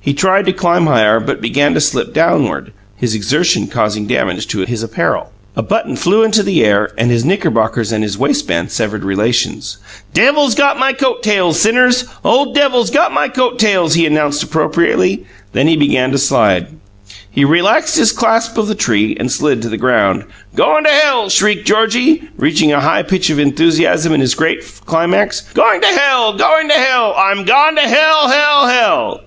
He tried to climb higher, but began to slip downward, his exertions causing damage to his apparel. A button flew into the air, and his knickerbockers and his waistband severed relations. "Devil's got my coat tails, sinners! Old devil's got my coat tails!" he announced appropriately. Then he began to slide. He relaxed his clasp of the tree and slid to the ground. "Going to hell!" shrieked Georgie, reaching a high pitch of enthusiasm in this great climax. "Going to hell! Going to hell! I'm gone to hell, hell, hell!"